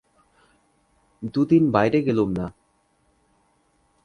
দু দিন বাইরে গেলুম না।